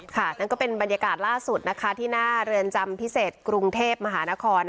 นั่นก็เป็นบรรยากาศล่าสุดที่หน้าเรือนจำพิเศษกรุงเทพมหานคร